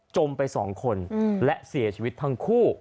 ไป๒คนและเสียชีวิตทั้งคู่